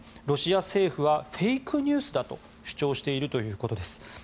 ロシア政府はフェイクニュースだと主張しているということです。